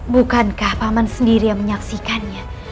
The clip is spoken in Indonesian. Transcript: bukankah paman sendiri yang menyaksikannya